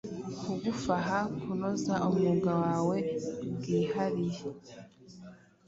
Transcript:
kugufaha kunoza umwuga wawe, bwihariye